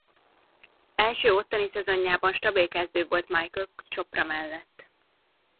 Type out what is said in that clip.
Első ottani szezonjában stabil kezdő volt Michael Chopra mellett.